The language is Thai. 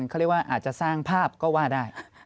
เขาเรียกว่าอาจจะสร้างภาพก็ว่าได้